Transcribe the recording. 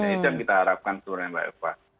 itu yang kita harapkan sebenarnya mbak eva